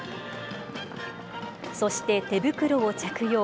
そして、手袋を着用。